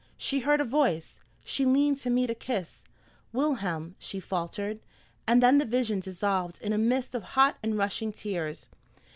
She heard a voice she leaned to meet a kiss. "Wilhelm," she faltered, and then the vision dissolved in a mist of hot and rushing tears.